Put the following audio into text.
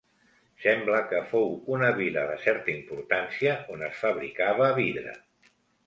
Sembla que fou una vila de certa importància on es fabricava vidre.